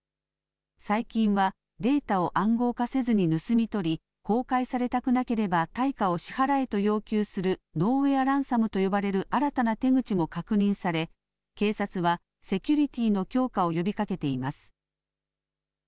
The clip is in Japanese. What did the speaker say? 最近はデータを暗号化せずに盗み取り公開されたくなければ対価を支払えと要求するノーウェアランサムと呼ばれる新たな手口も確認され警察はセキュリティーの強化を呼びかけています。